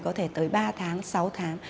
có thể tới ba tháng sáu tháng